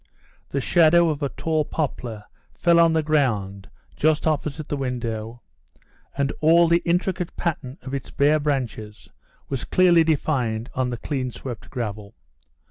The shadow of a tall poplar fell on the ground just opposite the window, and all the intricate pattern of its bare branches was clearly defined on the clean swept gravel.